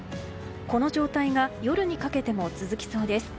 この状態が夜にかけても続きそうです。